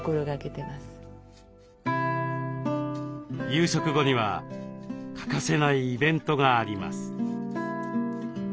夕食後には欠かせないイベントがあります。